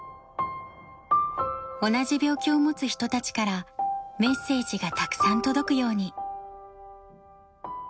同じ病気を持つ人たちからメッセージがたくさん届くように。